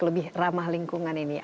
lebih ramah lingkungan ini